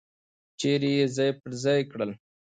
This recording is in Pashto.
چیرې یې ځای پر ځای کړل.